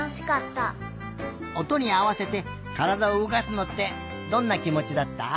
おとにあわせてからだをうごかすのってどんなきもちだった？